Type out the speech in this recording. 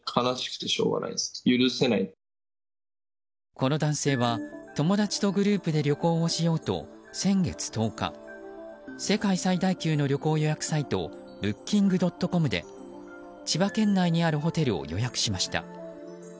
この男性は友達とグループで旅行をしようと先月１０日世界最大級の旅行予約サイトＢｏｏｋｉｎｇ．ｃｏｍで千葉県内にあるホテルを予約しました。